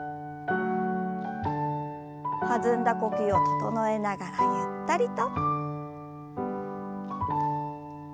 弾んだ呼吸を整えながらゆったりと。